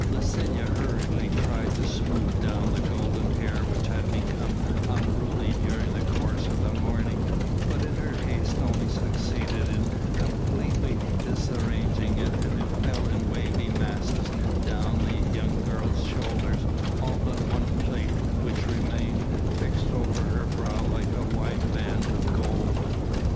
Licinia hurriedly tried to smooth down the golden hair which had become unruly during the course of the morning, but in her haste only succeeded in completely disarranging it and it fell in wavy masses down the young girl's shoulders, all but one plait which remained fixed over her brow like a wide band of gold.